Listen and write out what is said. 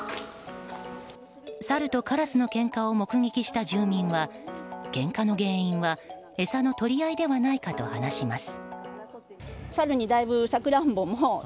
サルとカラスのけんかを目撃した住民はけんかの原因は餌の取り合いではないかと話します。